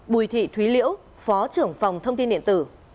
bùi thị thúy liễu phó trưởng phòng thông tin điện tử